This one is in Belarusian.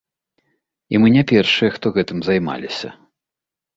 І мы не першыя, хто гэтым займаліся.